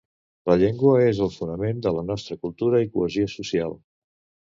La llengua és el fonament de la nostra cultura i cohesió social.